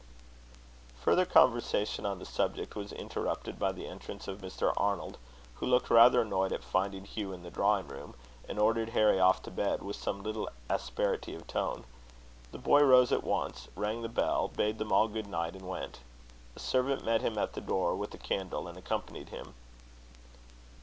Further conversation on the subject was interrupted by the entrance of Mr. Arnold, who looked rather annoyed at finding Hugh in the drawing room, and ordered Harry off to bed, with some little asperity of tone. The boy rose at once, rang the bell, bade them all good night, and went. A servant met him at the door with a candle, and accompanied him.